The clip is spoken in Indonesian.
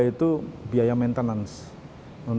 itu biaya maintenance